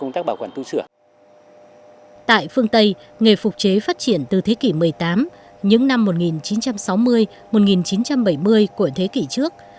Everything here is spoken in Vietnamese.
tại phương tây nghề phục chế phát triển từ thế kỷ một mươi tám những năm một nghìn chín trăm sáu mươi một nghìn chín trăm bảy mươi của thế kỷ trước